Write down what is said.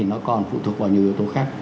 nó còn phụ thuộc vào nhiều yếu tố khác